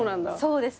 そうですね。